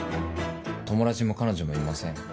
友達も彼女もいません。